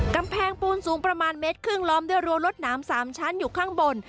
กำแพงปูนสูงประมาณเมตรครึ่งล้อมด้วยรั้วรถหนาม๓ชั้นอยู่ข้างบน